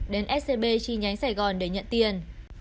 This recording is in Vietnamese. đến scb chi nhánh sài gòn để nhận tiền